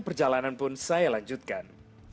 perjalanan pun saya lanjutkan